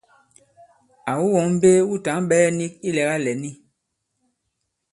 Àwu wɔ̌ŋ mbe wu tǎŋ ɓɛ̄ɛ nik ilɛ̀gâ lɛ̀n i?